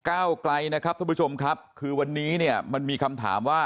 ก้าวไกลนะครับทุกผู้ชมครับคือวันนี้เนี่ยมันมีคำถามว่า